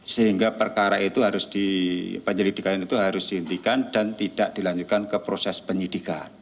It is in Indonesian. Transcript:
sehingga perkara itu harus di penyelidikan itu harus dihentikan dan tidak dilanjutkan ke proses penyidikan